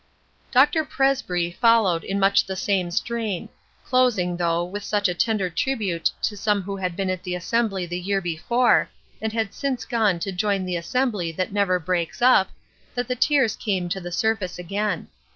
Dr. Presbry followed in much the same strain, closing, though, with such a tender tribute to some who had been at the assembly the year before, and had since gone to join the assembly that never breaks up, that the tears came to the surface again.